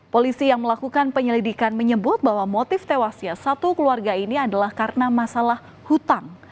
polisi yang melakukan penyelidikan menyebut bahwa motif tewasnya satu keluarga ini adalah karena masalah hutang